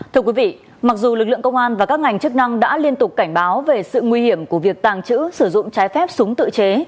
thưa quý vị mặc dù lực lượng công an và các ngành chức năng đã liên tục cảnh báo về sự nguy hiểm của việc tàng trữ sử dụng trái phép súng tự chế